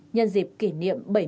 nhân dịp kỷ niệm